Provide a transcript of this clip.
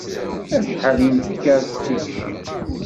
Acḥal i nefka d tikci?